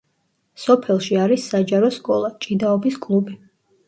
სოფელში არის საჯარო სკოლა, ჭიდაობის კლუბი.